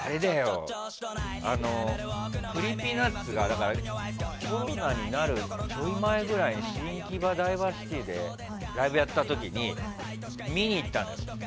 ＣｒｅｅｐｙＮｕｔｓがコロナになるちょい前ぐらいに新木場ダイバーシティでライブやった時に見に行ったのよ。